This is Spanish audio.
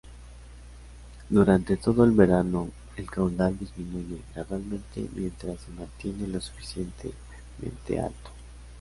Durante todo el verano, el caudal disminuye gradualmente mientras se mantiene lo suficientemente alto.